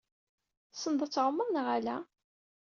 Tessneḍ ad tɛummeḍ, neɣ ala?